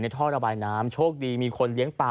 ท่อระบายน้ำโชคดีมีคนเลี้ยงปลา